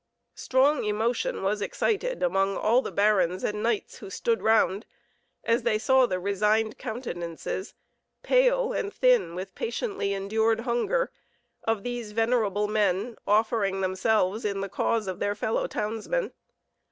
Strong emotion was excited among all the barons and knights who stood round, as they saw the resigned countenances, pale and thin with patiently endured hunger, of these venerable men, offering themselves in the cause of their fellow townsmen.